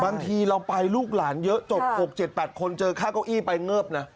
บางทีเราไปลูกหลานเยอะจบ๖๗๘คนเจอค่าเก้าอี้ไปเงิบนะ